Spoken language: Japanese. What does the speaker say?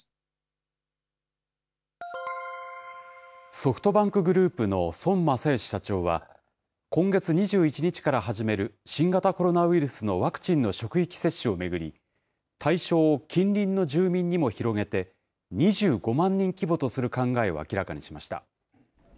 ソフトバンクグループの孫正義社長は、今月２１日から始める新型コロナウイルスのワクチンの職域接種を巡り、対象を近隣の住民にも広げて、２５万人規模とする考えを明らかにしました。